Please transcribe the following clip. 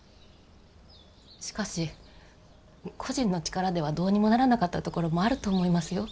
しかし個人の力ではどうにもならなかったところもあると思いますよ。